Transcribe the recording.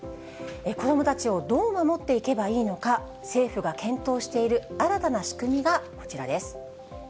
子どもたちをどう守っていけばいいのか、政府が検討している新たな仕組みがこちらです。